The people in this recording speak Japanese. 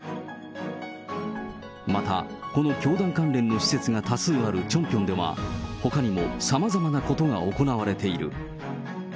また、この教団関連の施設が多数あるチョンピョンでは、ほかにもさまざまなことが行われている。